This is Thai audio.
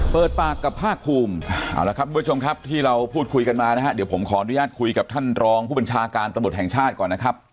เปิดปากกับภาคภูมิเอาละครับทุกผู้ชมครับที่เราพูดคุยกันมานะฮะเดี๋ยวผมขออนุญาตคุยกับท่านรองผู้บัญชาการตำรวจแห่งชาติก่อนนะครับ